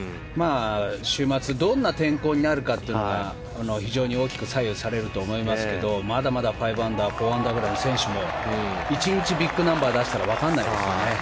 週末、どんな天候になるかというのが非常に大きく左右されると思いますけどまだまだ、５アンダー４アンダーくらいの選手も１日、ビッグナンバー出したら分かんないですよね。